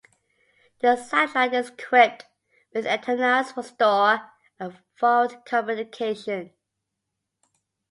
The satellite is equipped with antennas for store and forward communication.